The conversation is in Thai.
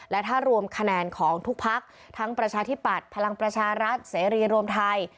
และถ้ารวมคะแนนของทุกพักทั้งประชาธิปัตย์พลังประชารัฐเสรีรวมไทย